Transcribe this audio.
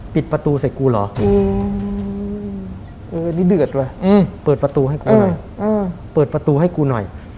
ปิดประตูเสร็จกูเหรอเปิดประตูให้กูหน่อย